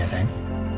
makasih ya sayang